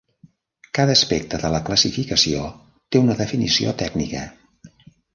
Cada aspecte de la classificació té una definició tècnica.